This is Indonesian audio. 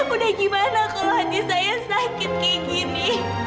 aku udah gimana kalau hati saya sakit kayak gini